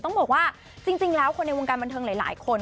ต้องบอกว่าจริงแล้วคนในวงการบันเทิงหลายคน